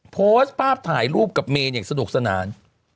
โพสต์ภาพถ่ายรูปกับเมนอย่างสนุกสนาน